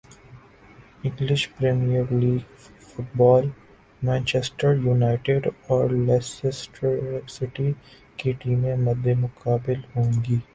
English Premier League football Manchester United اور Leicester City کی ٹیمیں مدمقابل ہونگی